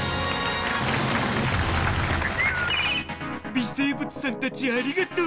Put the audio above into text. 微生物さんたちありがとう！